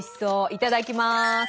いただきます！